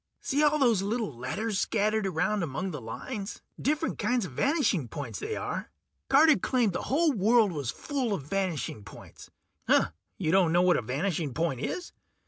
See all those little letters scattered around among the lines? Different kinds of vanishing points, they are. Carter claimed the whole world was full of vanishing points. You don't know what a vanishing point is?